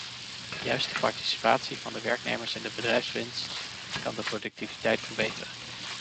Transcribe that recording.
Juist de participatie van de werknemers in de bedrijfswinst kan de productiviteit verbeteren.